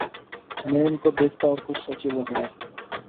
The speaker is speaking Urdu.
میں ان کو دیکھتا اور کچھ سوچے بغیر